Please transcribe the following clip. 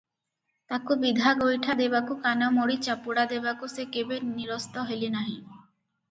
ତାକୁ ବିଧା ଗୋଇଠା ଦେବାକୁ କାନ ମୋଡ଼ି ଚାପୁଡ଼ା ଦେବାକୁ ସେ କେବେ ନିରସ୍ତ ହେଲେ ନାହିଁ ।